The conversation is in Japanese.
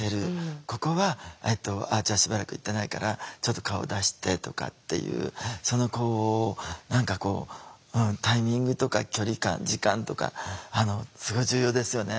ここはじゃあしばらく行ってないからちょっと顔出してとかっていう何かこうタイミングとか距離感時間とかすごい重要ですよね。